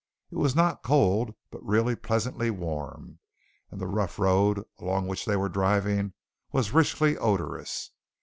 It was not cold but really pleasantly warm, and the rough road along which they were driving was richly odorous.